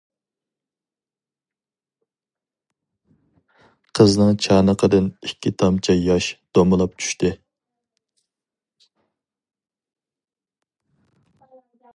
قىزنىڭ چانىقىدىن ئىككى تامچە ياش دومىلاپ چۈشتى.